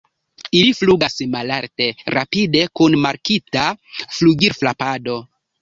Ili flugas malalte, rapide, kun markita flugilfrapado.